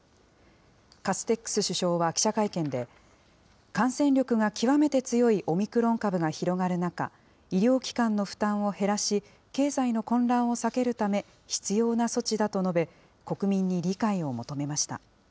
カステックス首相は記者会見で、感染力が極めて強いオミクロン株が広がる中、医療機関の負担を減らし、経済の混乱を避けるため、必要な措置だと述べ、国民に理解を求めました。